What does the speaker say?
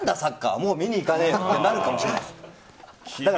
もう見に行かないってなるかもしれないので。